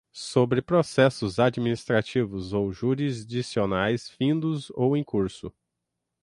sobre processos administrativos ou jurisdicionais findos ou em curso;